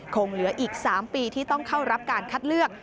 คงเหลืออีก๓ปีที่ต้องเข้ารับการคัดเลือก